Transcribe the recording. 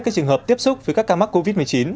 các trường hợp tiếp xúc với các ca mắc covid một mươi chín